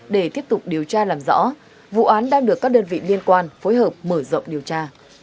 để tiếp tục điều tra làm rõ vụ án đang được các đơn vị liên quan phối hợp mở rộng điều tra